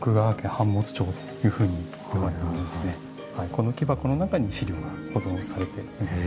この木箱の中に資料が保存されています。